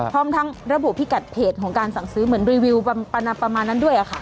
พร้อมทั้งระบุพิกัดเพจของการสั่งซื้อเหมือนรีวิวประมาณนั้นด้วยค่ะ